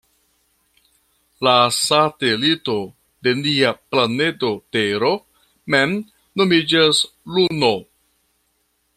La satelito de nia planedo Tero mem nomiĝas Luno.